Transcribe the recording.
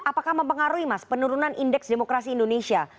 apakah mempengaruhi mas penurunan indeks demokrasi indonesia